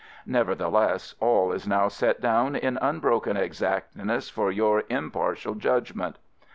Nevertheless, all is now set down in unbroken exactness for your impartial judgment.